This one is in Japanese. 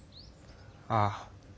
ああ。